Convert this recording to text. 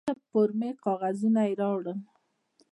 څه فورمې کاغذونه یې راوړل.